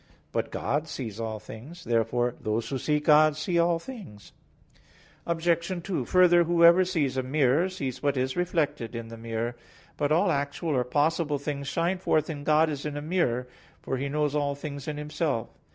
But God sees all things. Therefore those who see God see all things. Obj. 2: Further, whoever sees a mirror, sees what is reflected in the mirror. But all actual or possible things shine forth in God as in a mirror; for He knows all things in Himself.